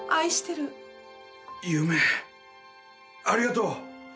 ありがとう。